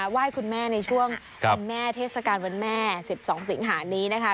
ไหว้คุณแม่ในช่วงคุณแม่เทศกาลวันแม่๑๒สิงหานี้นะคะ